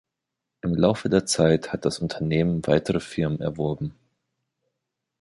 Im Laufe der Zeit hat das Unternehmen weitere Firmen erworben.